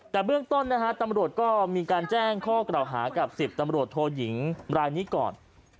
แต่เบื้องต้นตำรวจก็มีการแจ้งข้อกล่าวหากับ๑๐ตำรวจโทยิงรายนี้ก่อน